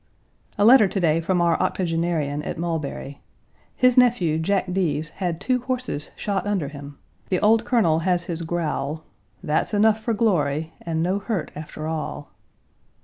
A letter to day from our octogenarian at Mulberry. His nephew, Jack Deas, had two horses shot under him; the old Colonel has his growl, "That's enough for glory, and no hurt after all."